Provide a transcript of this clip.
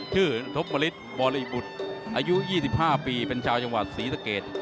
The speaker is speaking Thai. ทบริษบริบุตรอายุ๒๕ปีเป็นชาวจังหวัดศรีสะเกด